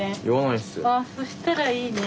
ああそしたらいいね。